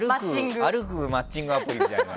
歩くマッチングアプリみたいな。